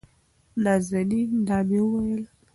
نازنين: دا مې وېل